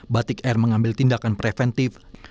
batik air mengambil tindakan untuk menerbangkan pesawat